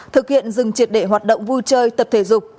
thực hiện dừng triệt để hoạt động vui chơi tập thể dục